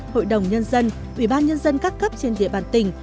hội đồng nhân dân ủy ban nhân dân các cấp trên địa bàn tỉnh